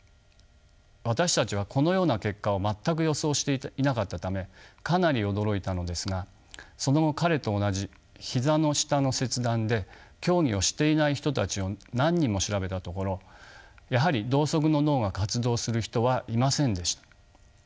私たちはこのような結果を全く予想していなかったためかなり驚いたのですがその後彼と同じ膝の下の切断で競技をしていない人たちを何人も調べたところやはり同側の脳が活動する人はいませんでした。